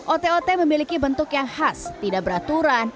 ote ote memiliki bentuk yang khas tidak beraturan